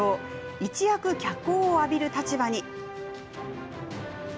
一躍、脚光を浴びる立場に。